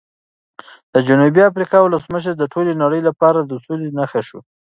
د جنوبي افریقا ولسمشر د ټولې نړۍ لپاره د سولې نښه شو.